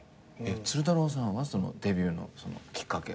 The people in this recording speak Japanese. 鶴太郎さんデビューのきっかけ。